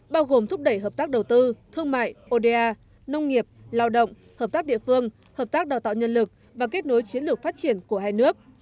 bao gồm thúc đẩy hợp tác đầu tư thương mại oda nông nghiệp lao động hợp tác địa phương hợp tác đào tạo nhân lực và kết nối chiến lược phát triển của hai nước